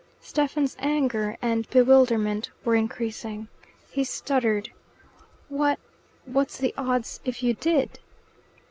Stephen's anger and bewilderment were increasing. He stuttered. "What what's the odds if you did?"